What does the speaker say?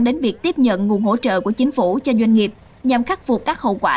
đến việc tiếp nhận nguồn hỗ trợ của chính phủ cho doanh nghiệp nhằm khắc phục các hậu quả